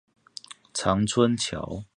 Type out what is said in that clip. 長春橋